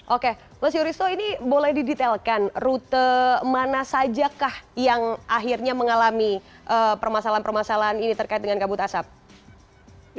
oke mas yuristo ini boleh didetailkan rute mana saja kah yang akhirnya mengalami permasalahan permasalahan ini terkait dengan kabut asap